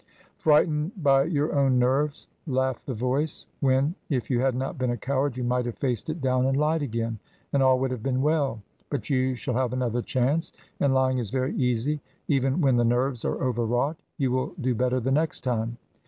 Frightened by your own nerves, laughed the voice, when, if you had not been a coward, you might have faced it down and lied again, and all would have been well. But you shall have another chance, and lying is very easy, even when the nerves are over wrought. You will do better the next time.